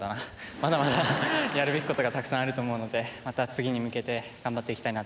まだまだやるべきことがたくさんあると思うのでまた次に向けて頑張っていきたいなと思います。